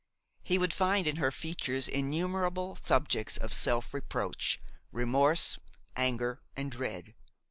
He would find in her features innumerable subjects of self reproach, remorse, anger and dread.